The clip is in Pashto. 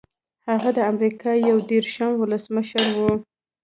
هغه د امریکا یو دېرشم ولسمشر و.